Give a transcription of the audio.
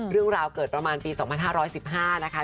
เรื่องราวเกิดประมาณปี๒๕๑๕นะคะ